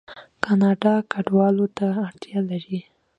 کاناډا کډوالو ته اړتیا لري.